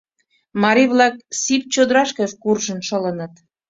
Марий-влак сип чодырашке куржын шылыныт.